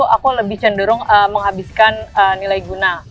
aku lebih cenderung menghabiskan nilai guna